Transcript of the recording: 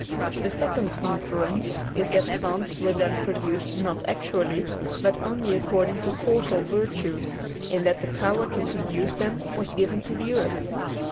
The second inference is that plants were then produced not actually, but only according to causal virtues, in that the power to produce them was given to the earth.